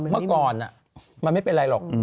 เมื่อก่อนมันไม่เป็นไรหรอก